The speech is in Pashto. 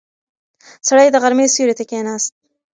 سړی د غرمې سیوري ته کیناست.